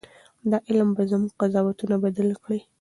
دا علم به زموږ قضاوتونه بدل کړي.